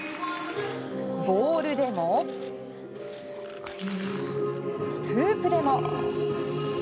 ボールでも、フープでも。